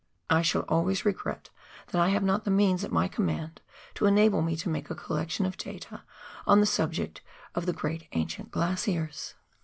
I shall always regret that I have not the means at my command to enable me to make a collection of data on the subject of the great ancient glaciers.